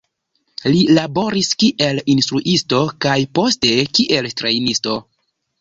Li laboris kiel instruisto kaj poste kiel trejnisto.